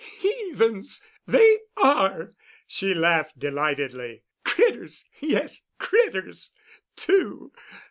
"Heathens! They are," she laughed delightedly. "Critters—yes, critters, too.